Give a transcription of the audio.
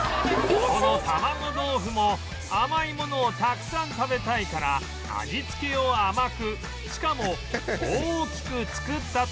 この玉子とうふも甘いものをたくさん食べたいから味付けを甘くしかも大きく作ったといわれている